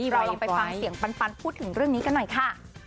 เราลองไปฟังเสียงปันพูดถึงเรื่องนี้กันหน่อยค่ะ